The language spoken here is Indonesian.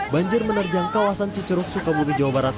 banjir menerjang kawasan ciceruk sukabumi jawa barat